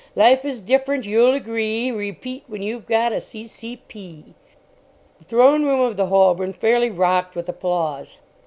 Life is diff'rent, you'll agree Repeat When you've got a C.C.P. The Throne Room of the Holborn fairly rocked with applause.